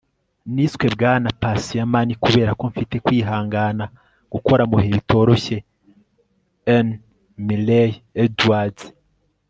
niswe bwana patient money kubera ko mfite kwihangana gukora mu bihe bitoroshye. - n. murray edwards